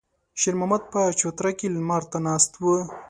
شېرمحمد په چوتره کې لمر ته ناست و.